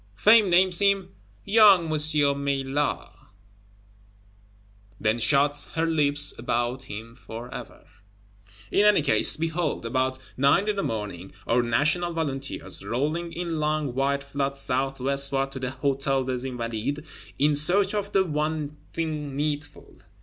Fame names him "Young M. Meillar"; then shuts her lips about him forever. In any case, behold, about nine in the morning, our National Volunteers, rolling in long wide flood south westward to the Hôtel des Invalides, in search of the one thing needful.